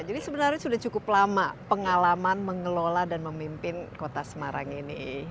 jadi sebenarnya sudah cukup lama pengalaman mengelola dan memimpin kota semarang ini